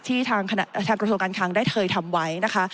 ที่ทางกระทรวงการคังได้เคยทำไว้นะคะ